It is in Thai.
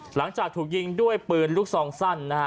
หลังจากถูกยิงด้วยปืนลูกซองสั้นนะฮะ